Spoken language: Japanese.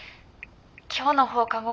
今日の放課後